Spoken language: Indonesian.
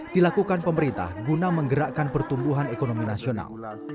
dilakukan pemerintah guna menggerakkan pertumbuhan ekonomi nasional